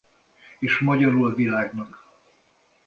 És magyarul a világnak.